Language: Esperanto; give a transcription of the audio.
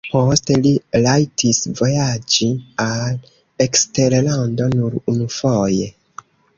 Poste li rajtis vojaĝi al eksterlando nur unufoje.